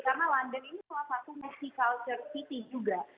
karena london ini salah satu multicultural city juga